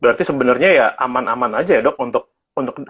berarti sebenarnya ya aman aman aja ya dok untuk